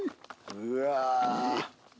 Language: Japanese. うわ！